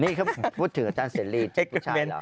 นี่เค้าพูดถึงอาจารย์เซลลีเป็นผู้ชายเหรอ